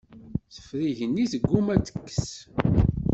Teffer igenni, tegguma ad tekkes.